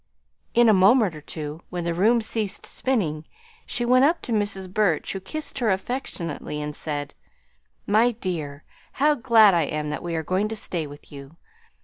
In a moment or two, when the room ceased spinning, she went up to Mrs. Burch, who kissed her affectionately and said, "My dear, how glad I am that we are going to stay with you.